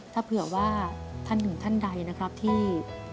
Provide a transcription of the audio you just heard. ถ้าเผื่อว่าท่านหนึ่งท่านใดนะครับที่